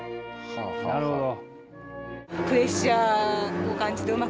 なるほど。